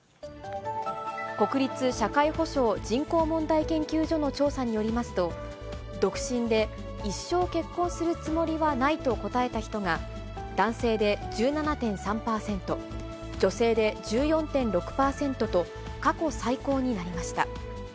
国立社会保障・人口問題研究所の調査によりますと、独身で一生結婚するつもりはないと答えた人が、男性で１７．３％、女性で１４．６％と、過去最高になりました。